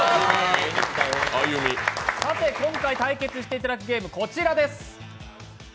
さて今回、対決していただくゲーム、こちらです。